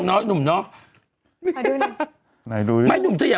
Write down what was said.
เป็นการกระตุ้นการไหลเวียนของเลือด